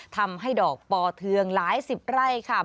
ทำให้ดอกปอเทืองหลายสิบไร่ค่ะ